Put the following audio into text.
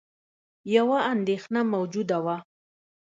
یوه اندېښنه موجوده وه